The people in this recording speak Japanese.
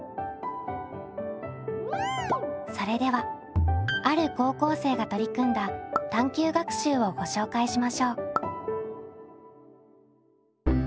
それではある高校生が取り組んだ探究学習をご紹介しましょう。